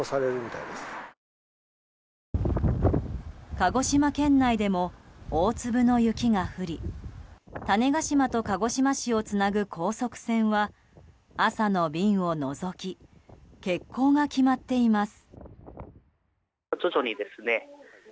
鹿児島県内でも大粒の雪が降り種子島と鹿児島市をつなぐ高速船は朝の便を除き欠航が決まっています。